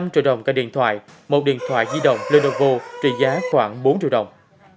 năm triệu đồng cả điện thoại một điện thoại di động lenovo trị giá khoảng bốn triệu đồng